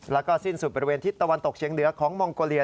แล้วก็สิ้นสุดบริเวณทิศตะวันตกเชียงเหนือของมองโกเลีย